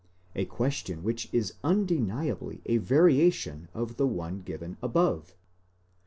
a question which is undeniably a variation of the one given above.